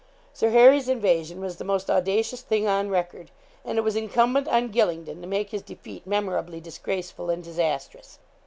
Sir Harry's invasion was the most audacious thing on record; and it was incumbent on Gylingden to make his defeat memorably disgraceful and disastrous.